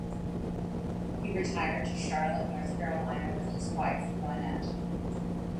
He retired to Charlotte, North Carolina with his wife, Juanette.